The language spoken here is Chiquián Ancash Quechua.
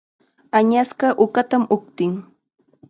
Añasqa uqatam uqtin.